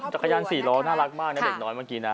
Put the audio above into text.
จักรยาน๔ล้อน่ารักมากนะเด็กน้อยเมื่อกี้นะ